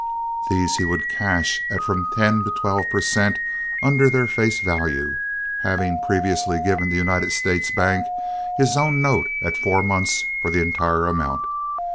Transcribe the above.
These he would cash at from ten to twelve per cent. under their face value, having previously given the United States Bank his own note at four months for the entire amount.